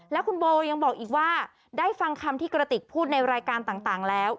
แล้วคุณโบยังบอกอีกว่าได้ฟังคำที่กระติกพูดในรายการต่างแล้ว